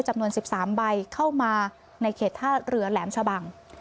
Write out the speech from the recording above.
จำนวน๑๓ใบเข้ามาในเขตท่าเรือแหลมชะบัง